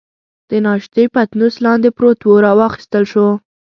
د ناشتې پتنوس لاندې پروت وو، را واخیستل شو.